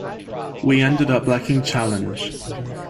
We ended up lacking challenge.